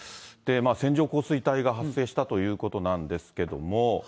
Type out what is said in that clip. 線状降水帯が発生したということなんですけども。